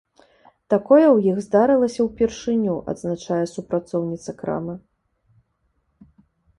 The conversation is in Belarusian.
Такое ў іх здарылася ўпершыню, адзначае супрацоўніца крамы.